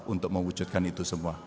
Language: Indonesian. untuk mewujudkan itu semua